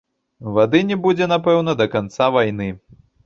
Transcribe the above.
Вады не будзе, напэўна, да канца вайны.